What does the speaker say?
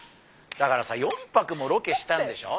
だからさ４泊もロケしたんでしょ。